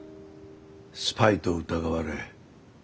スパイと疑われペリー